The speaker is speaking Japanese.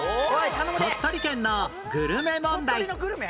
鳥取県のグルメ問題